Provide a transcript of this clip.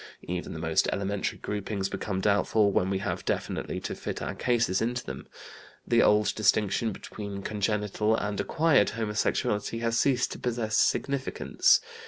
Even the most elementary groupings become doubtful when we have definitely to fit our cases into them. The old distinction between congenital and acquired homosexuality has ceased to possess significance.